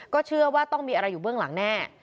เชื่อว่าต้องมีอะไรอยู่เบื้องหลังแน่